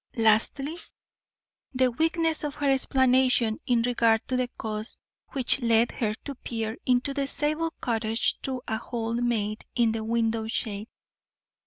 Lastly The weakness of her explanation in regard to the cause which led her to peer into the Zabel cottage through a hole made in the window shade.